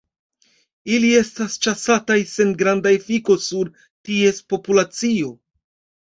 Ili estas ĉasataj sen granda efiko sur ties populacio.